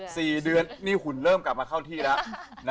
สี่เดือนนี่หุ่นเริ่มกลับมาเข้าที่แล้ว